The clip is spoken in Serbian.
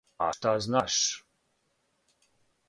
А шта знаш!